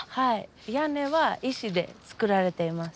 屋根は石で作られています。